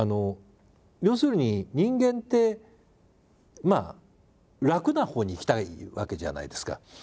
要するに人間って楽なほうに行きたいわけじゃないですか。